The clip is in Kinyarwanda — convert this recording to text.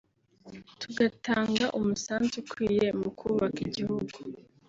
tugatanga umusanzu ukwiye mu kubaka igihugu